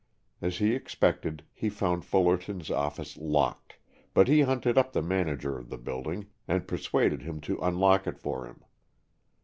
As he expected, he found Fullerton's office locked, but he hunted up the manager of the building, and persuaded him to unlock it for him.